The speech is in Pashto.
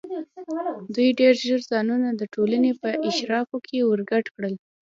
دوی ډېر ژر ځانونه د ټولنې په اشرافو کې ورګډ کړل.